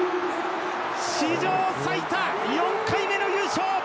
史上最多、４回目の優勝！